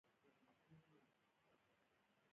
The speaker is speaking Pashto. انار د افغانستان د فرهنګي فستیوالونو یوه مهمه برخه ده.